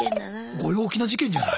ご陽気な事件じゃない？